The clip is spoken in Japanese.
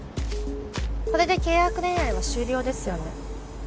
これで契約恋愛は終了ですよね